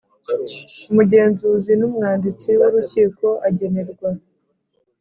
Umugenzuzi n umwanditsi w urukiko agenerwa